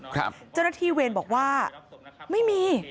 เจ้าหน้าที่เวรบอกว่าไม่มี